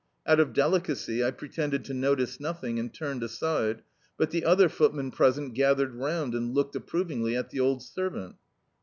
Out of delicacy I pretended to notice nothing and turned aside, but the other footmen present gathered round and looked approvingly at the old servant.